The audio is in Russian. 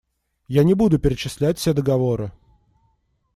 Я не буду перечислять все договоры.